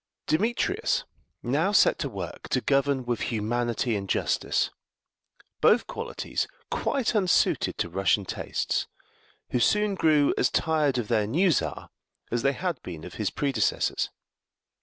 Demetrius now set to work to govern with humanity and justice; both qualities quite unsuited to Russian tastes, who soon grew as tired of their new Czar as they had been of his predecessors.